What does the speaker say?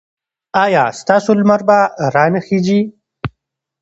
ایا ستاسو لمر به را نه خېژي؟